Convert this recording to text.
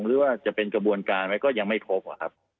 หรือว่าจะเป็นกระบวนการไหมก็ยังไม่ครบอะครับ